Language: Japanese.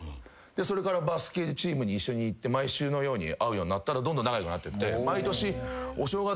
それからバスケチームに一緒に行って毎週のように会うようになったらどんどん仲良くなってって。